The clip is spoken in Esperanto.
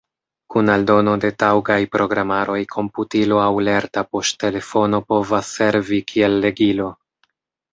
Kun aldono de taŭgaj programaroj komputilo aŭ lerta poŝtelefono povas servi kiel legilo.